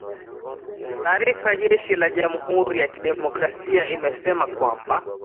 Taarifa ya jeshi la jamhuri ya kidemokrasia imesema kwamba